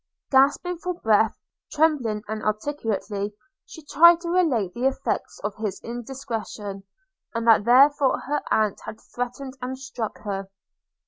Gasping for breath, trembling and inarticulately she tried to relate the effects of his indiscretion, and that therefore her aunt had threatened and struck her.